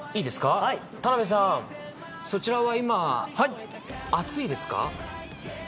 田辺さん、そちらは今暑いですか？